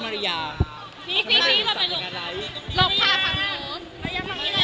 มาริยาผมนี้หน่อย